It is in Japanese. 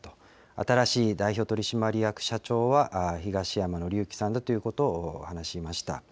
新しい代表取締役社長は東山紀之さんだということを話しました。